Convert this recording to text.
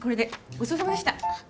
ごちそうさまでした。